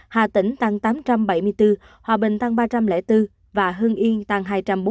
hà tĩnh tăng tám trăm bảy mươi bốn hòa bình tăng ba trăm linh bốn và hưng yên tăng hai trăm bốn mươi tám